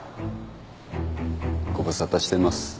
ご無沙汰してます。